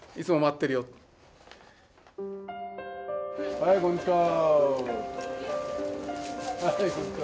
はい、こんにちは。